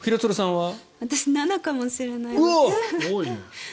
私７かもしれないです。